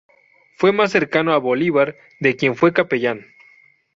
Fue más cercano a Bolívar, de quien fue capellán.